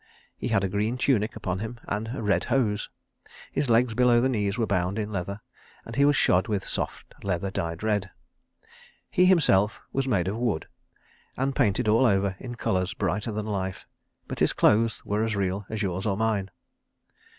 He had a green tunic upon him and red hose. His legs below the knees were bound in leather, and he was shod with soft leather dyed red. He himself was made of wood and painted all over in colours brighter than life, but his clothes were as real as yours or mine.